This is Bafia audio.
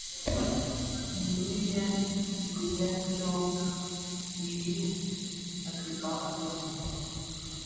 Ndiñiyèn diiyèn tsög yiñim a dhiba zi infin.